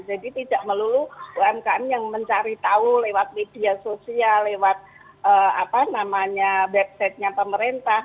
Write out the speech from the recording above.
jadi tidak melulu umkm yang mencari tahu lewat media sosial lewat apa namanya website nya pemerintah